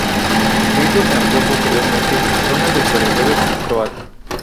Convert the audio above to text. Esto se amplió posteriormente a zonas del territorio croata.